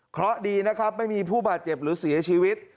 เพราะดีนะครับไม่มีผู้บาดเจ็บหรือเสียชีวิต